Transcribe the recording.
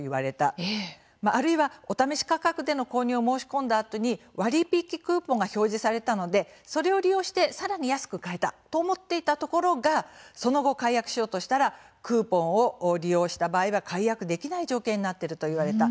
あるいは、お試し価格での購入を申し込んだあとに割引クーポンが表示されたのでそれを利用してさらに安く買えたと思っていたところがその後、解約しようとしたらクーポンを利用した場合は解約できない条件になっていると言われた。